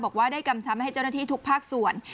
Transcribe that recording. บอกว่าได้กำชับให้เจ้าหน้าที่ทุกภาคส่วน